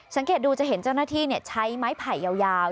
สังเกตดูจะเห็นเจ้าหน้าที่ใช้ไม้ไผ่ยาว